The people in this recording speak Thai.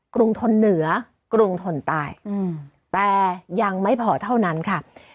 รุงทนเหนือกรุงทนใต้แต่ยังไม่พอเท่านั้นค่ะ